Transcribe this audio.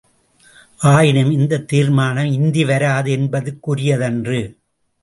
ஆயினும் இந்தத் தீர்மானம் இந்தி வராது என்பதற்குரியதன்று.